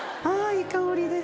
いい香りです